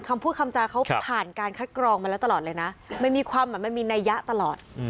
คำพูดคำจาเขาผ่านการคัดกรองมาแล้วตลอดเลยนะมันมีความมันมีนัยยะตลอด